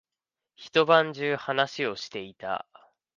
一晩中話をしていた。